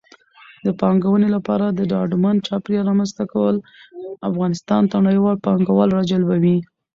د پانګونې لپاره د ډاډمن چاپېریال رامنځته کول افغانستان ته نړیوال پانګوال راجلبوي.